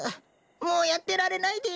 もうやってられないです。